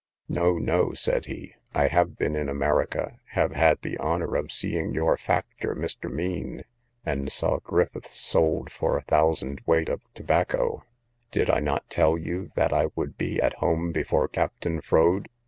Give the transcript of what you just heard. No, no, said he, I have been in America, have had the honour of seeing your factor, Mr. Mean, and saw Griffiths sold for a thousand weight of tobacco: did I not tell you that I would be at home before Captain Froade?